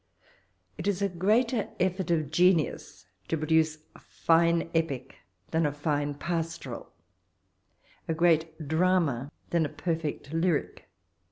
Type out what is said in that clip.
It is a greater efibrt of genius to produce a fine epic than a fine pastoral ; a great drama than a p^fect lyric.